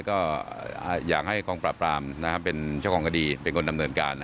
ก็อยากให้กองปราบรามเป็นเจ้าของคดีเป็นคนดำเนินการ